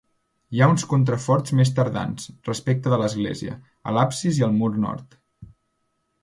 Hi ha uns contraforts més tardans, respecte de l'església, a l'absis i al mur nord.